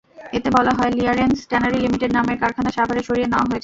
এতে বলা হয়, রিলায়েন্স ট্যানারি লিমিটেড নামের কারখানা সাভারে সরিয়ে নেওয়া হয়েছে।